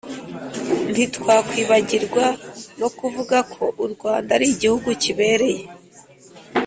ntitwakwibagirwa no kuvuga ko u rwanda ari igihugu kibereye